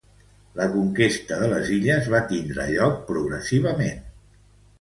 La conquesta de les illes va tindre lloc progressivament.